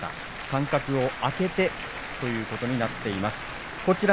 間隔を空けてということになっています。